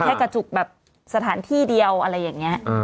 แค่กระจุกแบบสถานที่เดียวอะไรอย่างนี้